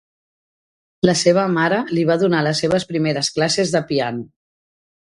La seva mare li va donar les seves primeres classes de piano.